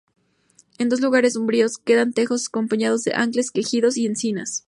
En dos lugares umbríos quedan tejos, acompañados de arces, quejigos y encinas.